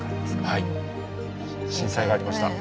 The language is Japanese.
はい震災がありました。